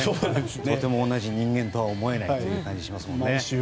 とても同じ人間とは思えないという感じがしますよね。